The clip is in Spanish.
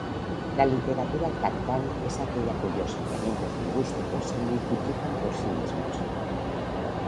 La literatura Fractal es aquella cuyos elementos lingüísticos se multiplican por sí mismos.